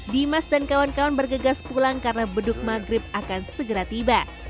dimas dan kawan kawan bergegas pulang karena beduk maghrib akan segera tiba